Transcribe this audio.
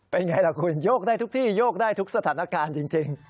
เป็นไงล่ะคุณโยกได้ทุกที่โยกได้ทุกสถานการณ์จริง